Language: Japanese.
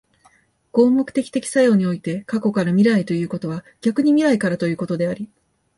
合目的的作用において、過去から未来へということは逆に未来からということであり、